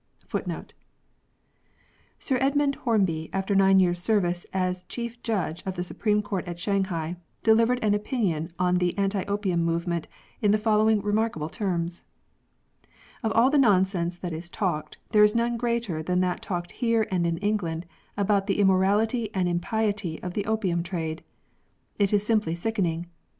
Sir Edmund Hornby, after nine years' service as chief judge of the Supreme Court at Shanghai, delivered an opinion on the anti opium movement in the following remarkable terms :—" Of all the nonsense that is talked, there is none greater than that talked here and in England about the immorality and impiety of the opium trade. It is simply sickening.